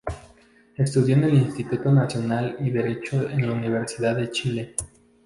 Estudió en el Instituto Nacional y derecho en la Universidad de Chile.